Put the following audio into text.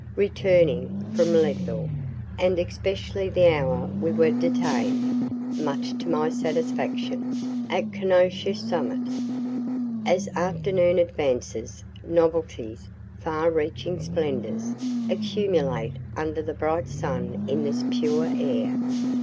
returning from Leadville, and especially the hour we were detain'd, (much to my satisfaction,) at Kenosha summit. As afternoon advances, novelties, far reaching splendors, accumulate under the bright sun in this pure air.